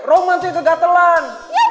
roman tuh yang kegatelan